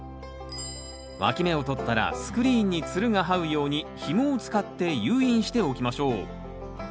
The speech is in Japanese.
わき芽をとったらスクリーンにつるがはうようにひもを使って誘引しておきましょう。